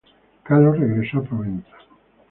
Carlos regresó a Provenza.